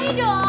iya udah bangun